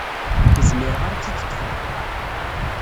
Ur zmireɣ ara ad tt-id-ṭṭfeɣ.